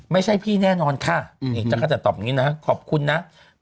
ไม่ใช่พี่แน่นอนค่ะนี่จักรจันทร์ตอบอย่างนี้นะขอบคุณนะ